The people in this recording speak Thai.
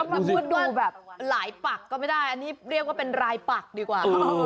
มาพูดดูแบบหลายปักก็ไม่ได้อันนี้เรียกว่าเป็นรายปักดีกว่า